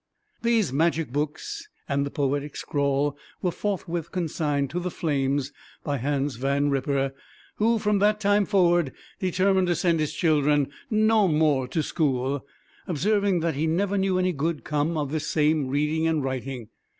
These magic books and the poetic scrawl were forthwith consigned to the flames by Hans Van Ripper; who, from that time forward, determined to send his children no more to school; observing that he never knew any good come of this same reading and writing.